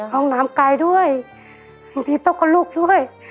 ห้องน้ำไกด้วยน้องพิมพ์ต้องก็ลุกด้วย